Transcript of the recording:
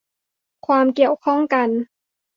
ความเกี่ยวข้องกัน